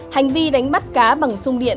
hành vi đánh bắt cá bằng sung điện